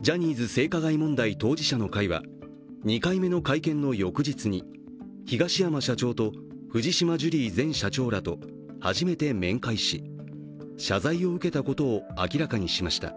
ジャニーズ性加害問題当事者の会は２回目の会見の翌日に東山社長と藤島ジュリー前社長らと初めて面会し、謝罪を受けたことを明らかにしました。